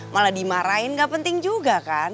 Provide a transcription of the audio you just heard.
malah dimarahin gak penting juga kan